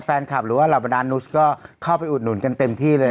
แฟนคลับหรือว่าเหล่าบรรดานุสก็เข้าไปอุดหนุนกันเต็มที่เลย